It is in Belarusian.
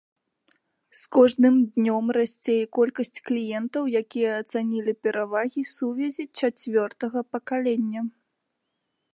З кожным днём расце і колькасць кліентаў, якія ацанілі перавагі сувязі чацвёртага пакалення.